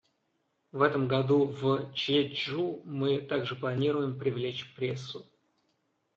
В этом году в Чжечжу мы также планируем привлечь прессу.